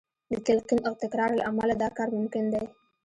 د تلقین او تکرار له امله دا کار ممکن دی